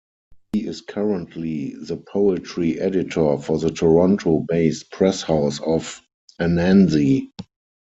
He is currently the poetry editor for the Toronto-based press House of Anansi.